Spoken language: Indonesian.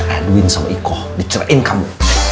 aduin sama ikoh diceritain kamu